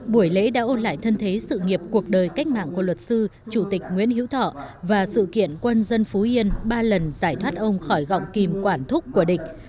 buổi lễ đã ôn lại thân thế sự nghiệp cuộc đời cách mạng của luật sư chủ tịch nguyễn hữu thọ và sự kiện quân dân phú yên ba lần giải thoát ông khỏi gọng kìm quản thúc của địch